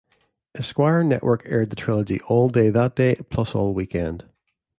Esquire Network aired the trilogy all day that day, plus all weekend.